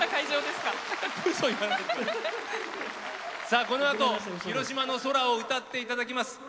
さあこのあと「広島の空」を歌っていただきます。